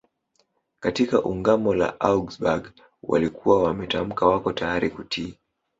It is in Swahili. Katika Ungamo la Augsburg walikuwa wametamka wako tayari kutii